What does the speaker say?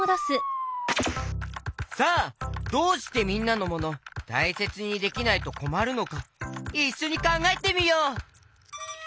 さあどうしてみんなのモノたいせつにできないとこまるのかいっしょにかんがえてみよう！